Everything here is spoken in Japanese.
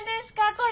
これ。